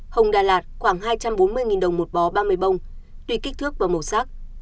hồng đà lạt khoảng hai trăm bốn mươi đồng một bó ba mươi bông tùy kích thước và màu sắc